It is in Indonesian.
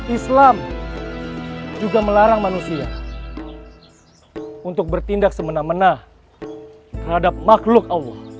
islam juga melarang manusia untuk bertindak semena mena terhadap makhluk allah